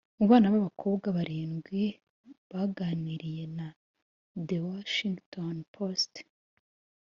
Mu bana b’abakobwa barindwi baganiriye na The Washington Post